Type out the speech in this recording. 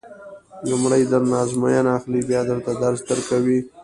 لومړی درنه ازموینه اخلي بیا درته درس درکوي.